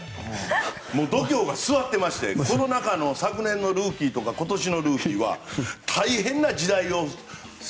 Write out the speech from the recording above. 度胸が据わってましてコロナ禍の昨年のルーキーとか今年のルーキーは大変な時代を。